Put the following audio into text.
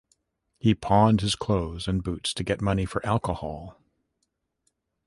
He pawned his clothes and boots to get money for alcohol.